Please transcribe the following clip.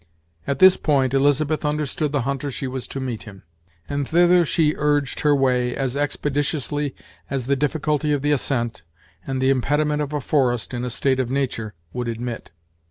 At this point Elizabeth understood the hunter she was to meet him; and thither she urged her way, as expeditiously as the difficulty of the ascent, and the impediment of a forest, in a state of nature, would admit.